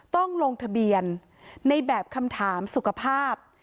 ต้องลงทะเบียนในแบบคำถามสุขภาพ